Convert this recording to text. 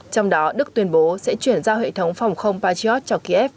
trong đó đức tuyên bố sẽ chuyển giao hệ thống phòng không patriot cho kiev